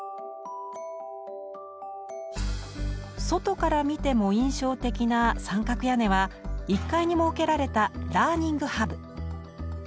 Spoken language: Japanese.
外から見ても印象的な三角屋根は１階に設けられた「ラーニングハブ」。